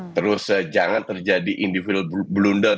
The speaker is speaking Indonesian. terus jangan terjadi individu blunder